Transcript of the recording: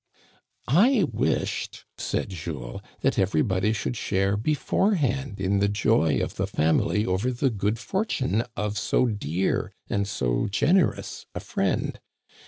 I wished," said Jules, " that everybody should share beforehand in the joy of the family over the good for tune of so dear and so generous a friend.